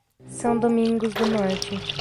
São Domingos do Norte